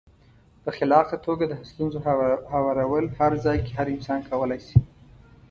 په خلاقه توګه د ستونزو هوارول هر ځای کې هر انسان کولای شي.